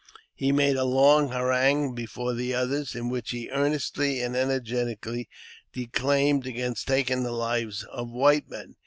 He made a long harangue before the others, in which he earnestly and ener getically declaimed against taking the lives of white men.